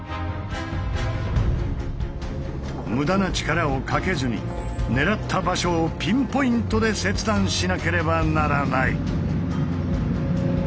無駄な力をかけずに狙った場所をピンポイントで切断しなければならない。